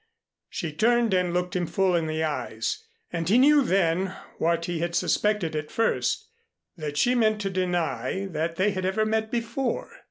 She turned and looked him full in the eyes; and he knew then what he had suspected at first, that she meant to deny that they had ever met before.